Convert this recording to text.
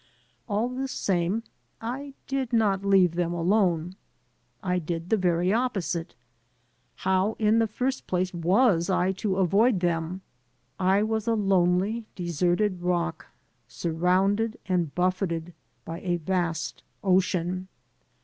All the same I did not leave them alone. I did the very opposite. How, in the first place,, was I to avoid them? I was a lonely, deserted rock surrounded and buffeted by a vast ocean.